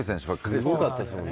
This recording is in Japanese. すごかったですもんね